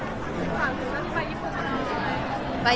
โรงพยาบาล